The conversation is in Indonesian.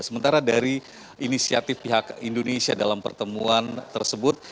sementara dari inisiatif pihak indonesia dalam pertemuan tersebut